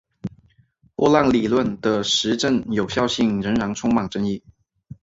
波浪理论的实证有效性仍然充满争议。